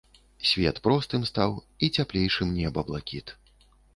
Свет простым стаў і цяплейшым неба блакіт.